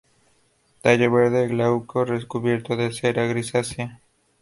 Tallo verde glauco, recubierto de cera grisácea.